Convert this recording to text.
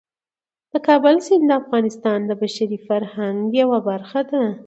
د کابل سیند د افغانستان د بشري فرهنګ یوه برخه ده.